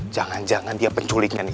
jangan jangan dia penculiknya nih